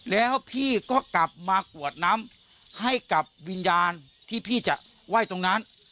แล้วพี่ก็กลับมากวดน้ำให้กับวิญญาณที่พี่จะไหว้ตรงนั้น